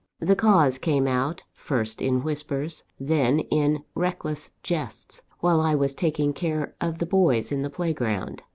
The cause came out, first in whispers, then in reckless jests, while I was taking care of the boys in the playground.